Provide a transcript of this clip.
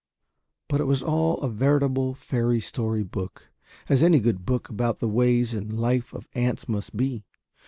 But it was all a veritable fairy story book, as any good book about the ways and life of ants must be.